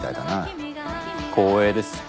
光栄です。